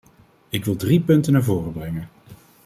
Ik wil drie punten naar voren brengen.